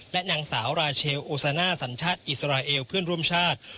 และนางสาวราเชลโอซาน่าสัญชาติอิสราเอลเพื่อนร่วมชาติ